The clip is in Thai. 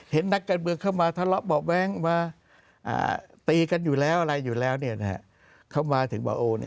นักการเมืองเข้ามาทะเลาะเบาะแว้งมาตีกันอยู่แล้วอะไรอยู่แล้วเข้ามาถึงบาโอ